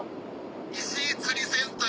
石井釣センター？